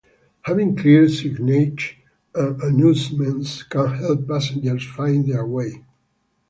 Having clear signage and announcements can help passengers find their way.